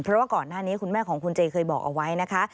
เพราะว่าก่อนหน้านี้คุณแม่ของคุณเจเคยบอกเอาไว้นะคะ